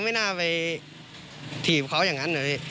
ไม่น่าไปถีบเขาอย่างนั้นเลย